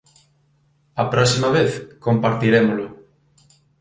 A próxima vez compartirémolo.